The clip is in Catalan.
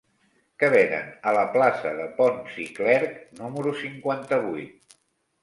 Què venen a la plaça de Pons i Clerch número cinquanta-vuit?